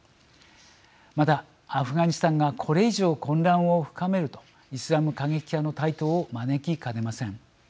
また、アフガニスタンがこれ以上、混乱を深めるとイスラム過激派の台頭を招きかねません。